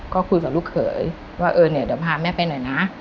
ก็คุยกับลูกเขยว่าเออเนี่ยเดี๋ยวพาแม่ไปหน่อยนะ